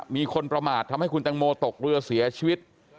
มีคนประมาททำให้คุณตังโมตกเรือเสียชีวิต